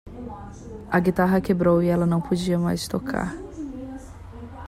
A guitarra quebrou e ela não podia mais tocar.